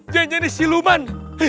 dia jadi si luman